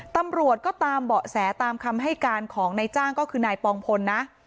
ตำรวจก็ตามเบาะแสตามคำให้การของนายจ้างก็คือนายปองพลนะ